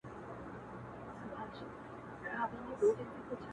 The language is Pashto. ستا پیغام به د بڼو پر څوکو وړمه!.